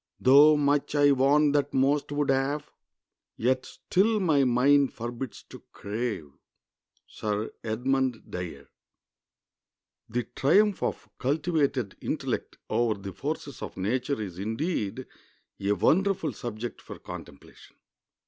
Though much I want that most would have, Yet still my mind forbids to crave." —SIR EDMUND DYER. The triumph of cultivated intellect over the forces of nature is indeed a wonderful subject for contemplation.